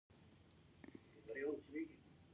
ولي باید ډیر وخت کمپیوټر و نه کاروو؟